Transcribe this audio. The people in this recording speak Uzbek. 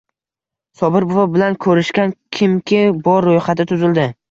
Sobir buva bilan ko`rishgan kimki bor ro`yxati tuzildi